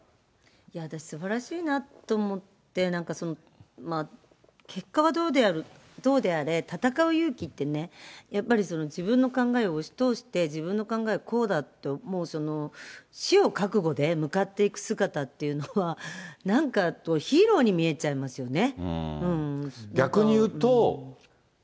いや、私、すばらしいなと思って、なんか、結果はどうであれ、戦う勇気ってね、やっぱり自分の考えを押し通して、自分の考えはこうだと、もう死を覚悟で向かっていく姿っていうのは、なんか、ヒーローに見えちゃいますよね。